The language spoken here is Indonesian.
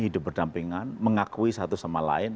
hidup berdampingan mengakui satu sama lain